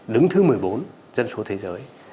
đứng thứ một mươi bốn dân số thế giới